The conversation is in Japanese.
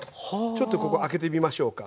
ちょっとここ開けてみましょうか。